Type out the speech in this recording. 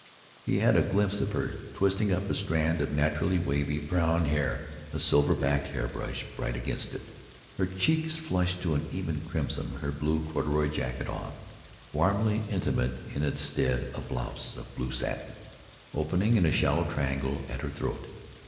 He had a glimpse of her, twisting up a strand of naturally wavy brown hair, a silver backed hair brush bright against it, her cheeks flushed to an even crimson, her blue corduroy jacket off, and, warmly intimate in its stead, a blouse of blue satin, opening in a shallow triangle at her throat.